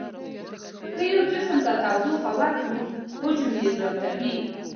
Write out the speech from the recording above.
که یو جسم ته تودوخه ورکړو حجم یې زیاتوي.